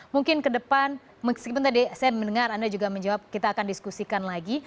mungkin ke depan meskipun tadi saya mendengar anda juga menjawab kita akan diskusikan lagi